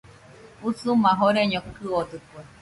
Usuma joreño kɨodɨkue.